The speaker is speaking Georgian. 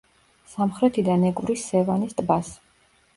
სამხრეთიდან ეკვრის სევანის ტბას.